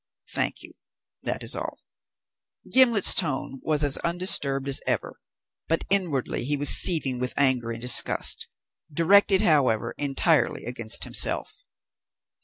"Thank you. That is all." Gimblet's tone was as undisturbed as ever, but inwardly he was seething with anger and disgust; directed, however, entirely against himself.